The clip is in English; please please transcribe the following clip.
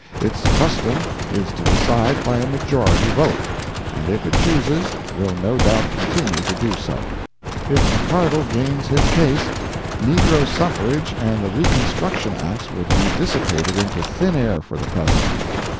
Its custom is to decide by a majority vote, and if it chooses, will no doubt continue to do so. If McCardle gains his case, negro suffrage and the Reconstruction Acts will be dissipated into thin air for the present.